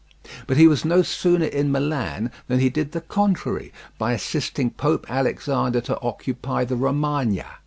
But he was no sooner in Milan than he did the contrary by assisting Pope Alexander to occupy the Romagna.